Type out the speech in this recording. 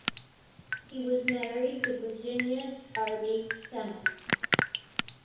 He was married to Virginia Darby Trammell.